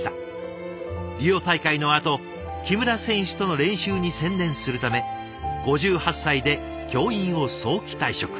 リオ大会のあと木村選手との練習に専念するため５８歳で教員を早期退職。